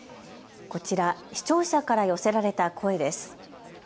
こちら、視聴者から寄せられた声です。